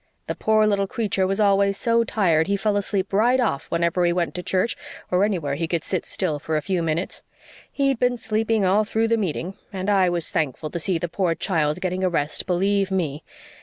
The poor little creature was always so tired he fell asleep right off whenever he went to church or anywhere he could sit still for a few minutes. He'd been sleeping all through the meeting, and I was thankful to see the poor child getting a rest, believe ME.